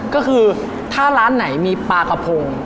ก็คือถ้าร้านไหนมีปลากระพง